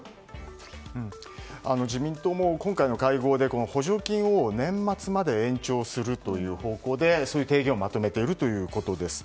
自民党も今回の会合で補助金を年末まで延長するという方向で提言をまとめているということです。